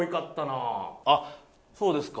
あっそうですか。